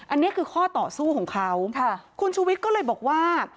อันนี้คือข้อต่อสู้ของเขาค่ะคุณชูวิทย์ก็เลยบอกว่า